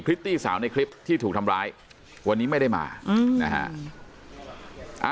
ิตตี้สาวในคลิปที่ถูกทำร้ายวันนี้ไม่ได้มานะฮะ